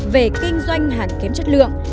về kinh doanh hàng kém chất lượng